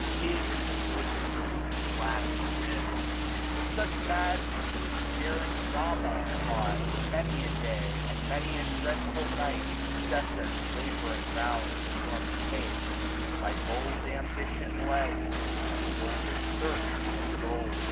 Hid in the bosom of the black abyss. 1000 With such mad seas the daring Gama fought. For many a day, and many a dreadful night, Incessant, laboring round the stormy Cape j By bold ambition led, and bolder thirst Of gold.